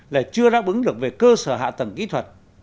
là chưa đáp ứng được về cơ sở hạ tầng kỹ thuật